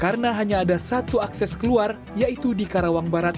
karena hanya ada satu akses keluar yaitu di karawang barat